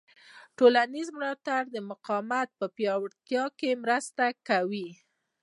ټولنیز ملاتړ د مقاومت په پیاوړتیا کې مرسته کوي.